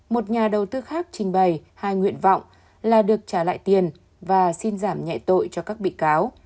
một nhà đầu tư khác trình bày hai nguyện vọng là được trả lại tiền và xin giảm nhẹ tội cho các bị cáo